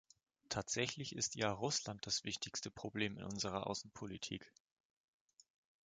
Tatsächlich ist ja Russland das wichtigste Problem in unserer Außenpolitik.